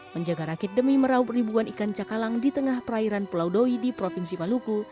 menjaga rakit demi meraup ribuan ikan cakalang di tengah perairan pulau doi di provinsi maluku